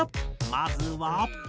まずは。